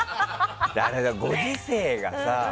ご時世がさ